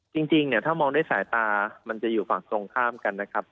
จริงเนี่ยถ้ามองด้วยสายตามันจะอยู่ฝั่งตรงข้ามกันนะครับ